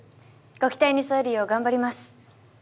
ご期待に添えるよう頑張ります！